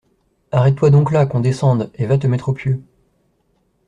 Arrête-toi donc là, qu’on descende, et va te mettre au pieu.